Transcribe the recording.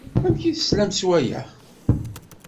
Amek ay teslam s waya?